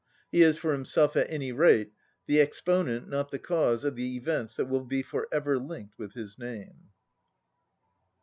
He is, for himself at any rate, the exponent, not the cause, of the events that will be for ever linked with his name.